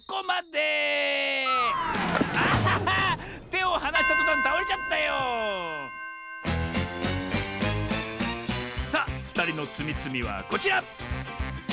てをはなしたとたんたおれちゃったよさあふたりのつみつみはこちら！